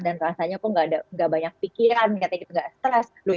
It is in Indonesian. dan rasanya kok tidak banyak pikiran tidak stress